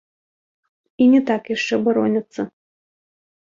І не так яшчэ бароняцца.